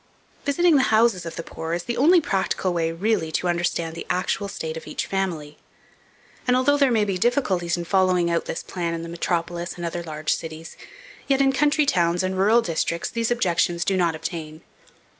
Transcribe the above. Visiting the houses of the poor is the only practical way really to understand the actual state of each family; and although there may be difficulties in following out this plan in the metropolis and other large cities, yet in country towns and rural districts these objections do not obtain.